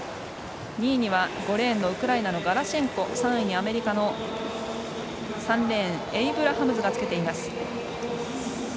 ２位には５レーンのウクライナのガラシェンコ３位にアメリカの３レーンエイブラハムズがつけています。